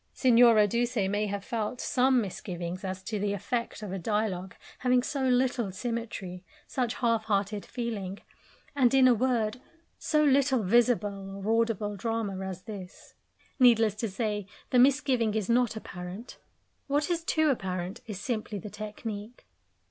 Signora Duse may have felt some misgivings as to the effect of a dialogue having so little symmetry, such half hearted feeling, and, in a word, so little visible or audible drama as this. Needless to say, the misgiving is not apparent; what is too apparent is simply the technique.